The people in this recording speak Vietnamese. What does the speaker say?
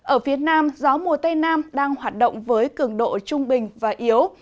ở phía nam gió mùa tây nam đang hoạt động với cường độ trung bình và yếu